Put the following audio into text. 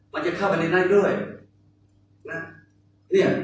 มันก็จะเข้าไปดีได้ด้วย